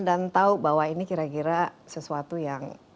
dan tau bahwa ini kira kira sesuatu yang